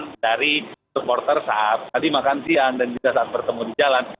dari supporter saat tadi makan siang dan juga saat bertemu di jalan